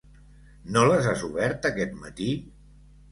No les has obert aquest matí?